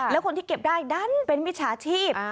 แล้วคนที่เก็บได้ดันเป็นมิจฉาชีพ